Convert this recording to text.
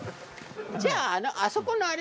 じゃああそこのあれ。